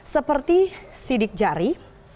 seperti sidik jari